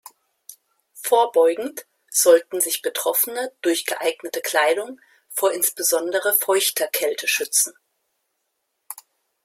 Vorbeugend sollten sich Betroffene durch geeignete Kleidung vor insbesondere feuchter Kälte schützen.